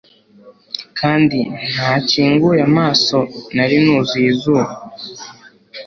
Kandi ntakinguye amaso nari nuzuye izuba